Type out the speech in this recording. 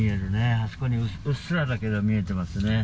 あそこにうっすらだけど見えてますね